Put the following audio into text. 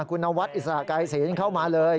คุณนวัตต์อิสระกายศีลเข้ามาเลย